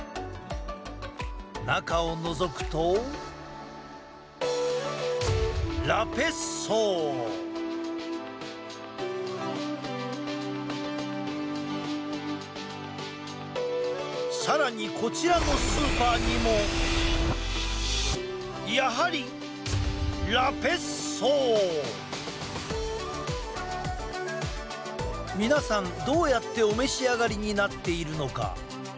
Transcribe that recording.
中をのぞくとさらにこちらのスーパーにも皆さん、どうやってお召し上がりになっているのか。